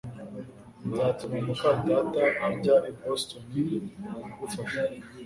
Nzatuma muka data ajya i Boston kugufasha